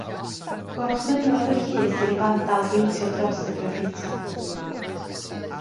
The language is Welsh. Gorchmynnodd y llys i'r fandal beintio dros y graffiti.